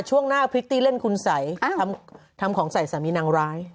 ช่วงหน้าพริตตี้เล่นคุณสัยทำของใส่สามีนางร้าย